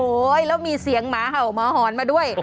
แล้วมีเสียงหมาเห่าหมาหอนมาด้วย